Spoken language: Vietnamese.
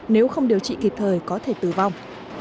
nếu không điều trị kịp thời có thể tử vong